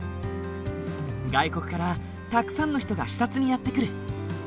外国からたくさんの人が視察にやって来る。